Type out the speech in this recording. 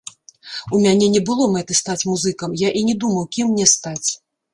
У мяне не было мэты стаць музыкам, я і не думаў, кім мне стаць.